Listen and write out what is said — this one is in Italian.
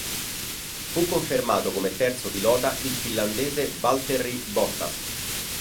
Fu confermato come terzo pilota il finlandese Valtteri Bottas.